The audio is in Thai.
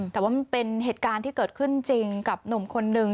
แต่ว่ามันเป็นเหตุการณ์ที่เกิดขึ้นจริงกับหนุ่มคนนึง